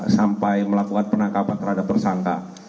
sampai melakukan penangkapan terhadap tersangka